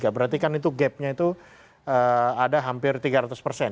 berarti kan itu gapnya itu ada hampir tiga ratus persen